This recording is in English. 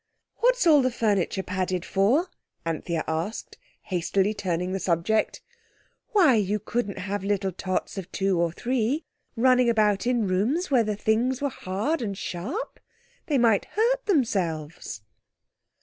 "What's all the furniture padded for?" Anthea asked, hastily turning the subject. "Why, you couldn't have little tots of two or three running about in rooms where the things were hard and sharp! They might hurt themselves."